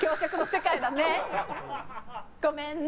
ごめんな！